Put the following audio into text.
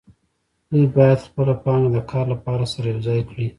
دوی باید خپله پانګه د کار لپاره سره یوځای کړي